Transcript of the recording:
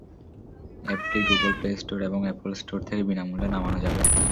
অ্যাপটি Google play store এবং Apple store থেকে বিনা মূল্যে নামানো যাবে।